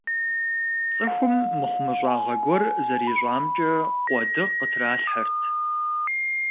Цӏыхум мыхумыщӏагъэ гуэр зэрищӏамкӏэ къуэды къытралъхьэрт.